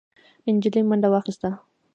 نجلۍ منډه واخيسته.